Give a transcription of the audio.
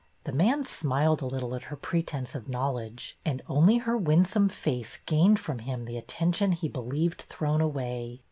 The man smiled a little at her pretence of knowledge, and only her win some face gained from him the attention he believed thrown away.